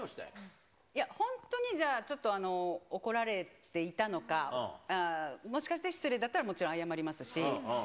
本当にじゃあ、ちょっと怒られていたのか、もしかして、失礼だったら、もちろん謝りますし。